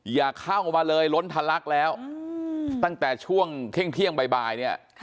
อย่าเข้าออกมาเลยล้นทะลักแล้วอืมตั้งแต่ช่วงเข้งเพี่ยงบ่ายบ่ายเนี้ยค่ะ